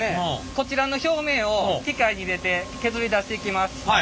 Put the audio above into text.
こちらの表面を機械に入れて削り出していきます。